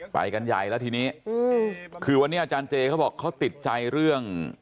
ไปกันใหญ่แล้วทีนี้คือวันนี้อาจารย์เจเขาบอกเขาติดใจเรื่อง